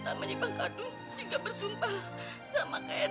tapi saya rasa kamu nggak bisa bersumpah dengan saya